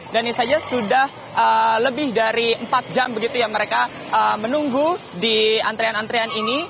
dan ini saja sudah lebih dari empat jam begitu yang mereka menunggu di antrean antrean ini